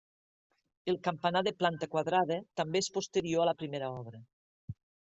El campanar de planta quadrada també és posterior a la primera obra.